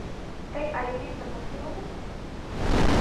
— Тый алиментым от тӱлӧ мо?